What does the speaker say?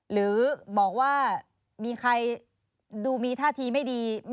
หรือบอกว่ามีใครดูมีท่าทีไม่ดี